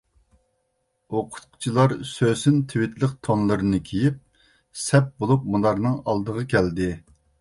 ئوقۇتقۇچىلار سۆسۈن تىۋىتلىق تونلىرىنى كىيىپ، سەپ بولۇپ مۇنارنىڭ ئالدىغا كەلدى.